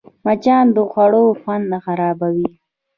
مچان د خوړو خوند خرابوي